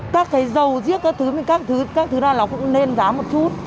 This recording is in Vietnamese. các cái dầu riết các thứ này nó cũng nên giá một chút